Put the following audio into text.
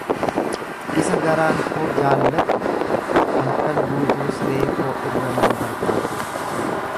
Isa garaan koo jaallatu halkan guutuu siree koo irra nan barbaade,